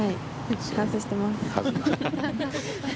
反省してます。